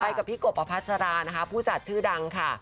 กับพี่กบอพัสรานะคะผู้จัดชื่อดังค่ะ